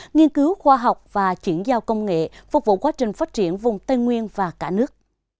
nghiên cứu khoa học và chuyển giao công nghệ phục vụ quá trình phát triển vùng tây nguyên và cả nước